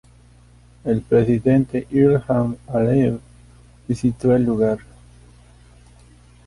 El presidente Ilham Aliyev visitó el lugar.